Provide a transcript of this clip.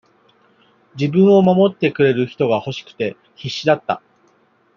自分を守ってくれる人が欲しくて、必死だった。